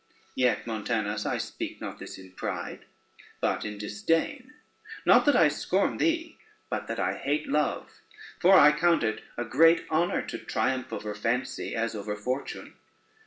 Yet, Montanus, I speak not this in pride, but in disdain; not that I scorn thee, but that I hate love; for I count it as great honor to triumph over fancy as over fortune.